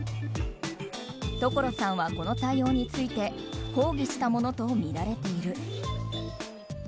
所さんは、この対応について抗議したものとみられている。